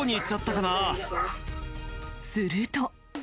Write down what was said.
すると。